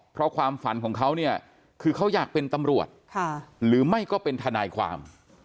เพราะความฝันของเขาเนี่ยคือเขาอยากเป็นตำรวจหรือไม่ก็เป็นทนายความ